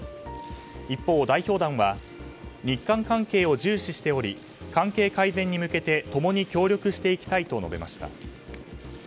一方、代表団は日韓関係を重視しており関係改善に向けて共に協力していきたいと述べました。